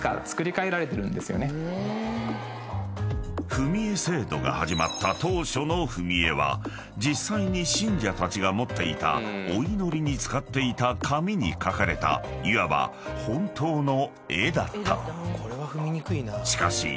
［踏絵制度が始まった当初の踏絵は実際に信者たちが持っていたお祈りに使っていた紙に描かれたいわば本当の絵だった］